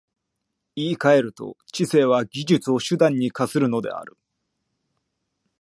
言い換えると、知性は技術を手段に化するのである。